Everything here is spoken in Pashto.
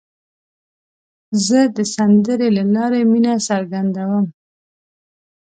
زه د سندرې له لارې مینه څرګندوم.